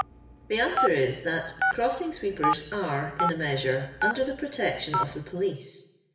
" The answer is, that crossing sweepers are, in a measure, under tlio protection of the police.